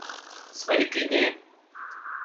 Sveikiņi!